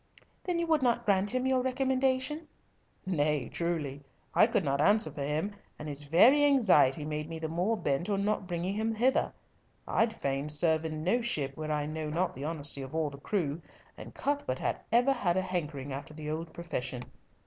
"Then you would not grant him your recommendation?" "Nay, truly. I could not answer for him, and his very anxiety made me the more bent on not bringing him hither. I'd fain serve in no ship where I know not the honesty of all the crew, and Cuthbert hath ever had a hankering after the old profession."